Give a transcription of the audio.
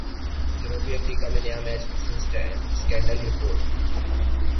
جنوبی افریقہ میں نیا میچ فکسنگ سکینڈل رپورٹ